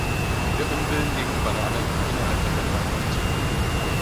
Der Unwillen gegenüber Radek innerhalb der Partei nahm zu.